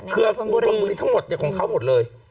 เครื่องฟังบุรีทั้งหมดของเขาหมดเลย